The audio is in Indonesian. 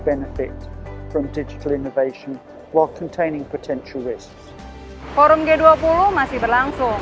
dan masyarakat kita pelan pelan mulai beralih untuk melakukan transaksi ekonomi secara digital